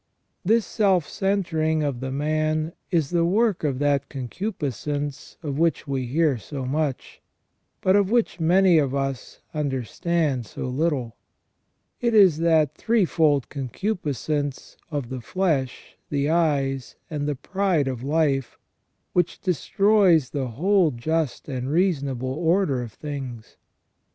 This self centering of the man is the work of that concupiscence of which we hear so much, but of which many of us understand so little; it is that threefold concupiscence of the flesh, the eyes, and the pride of life, which destroys the whole just and reasonable order of things.